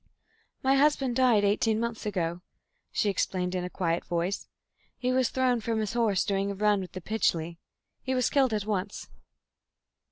"My husband died eighteen months ago," she explained in a quiet voice. "He was thrown from his horse during a run with the Pytchley. He was killed at once."